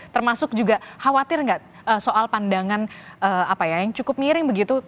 termasuk juga khawatir nggak soal pandangan yang cukup miring begitu